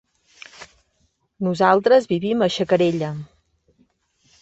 Nosaltres vivim a Xacarella.